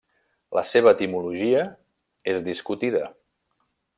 La seva etimologia és discutida.